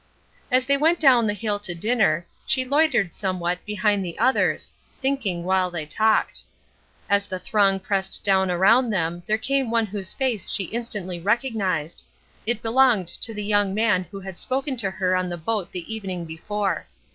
As they went down the hill to dinner, she loitered somewhat behind the others, thinking while they talked. As the throng pressed down around them there came one whose face she instantly recognized; it belonged to the young man who had spoken to her on the boat the evening before.